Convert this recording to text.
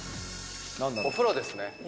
お風呂ですね。